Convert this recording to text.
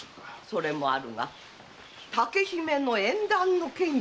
それもあるが竹姫の縁談の件じゃ。